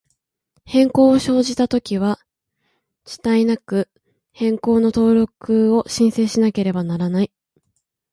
変更を生じたときは、遅滞なく、変更の登録を申請しなければならない。